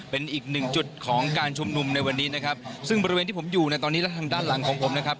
เป็นอีกหนึ่งจุดของการชุมนุมในวันนี้นะครับซึ่งบริเวณที่ผมอยู่ในตอนนี้และทางด้านหลังของผมนะครับ